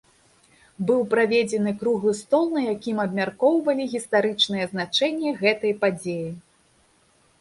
Быў праведзены круглы стол, на якім абмяркоўвалі гістарычнае значэнне гэтай падзеі.